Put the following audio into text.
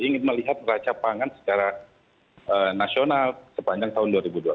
ingin melihat raca pangan secara nasional sepanjang tahun dua ribu dua puluh